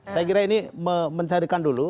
saya kira ini mencarikan dulu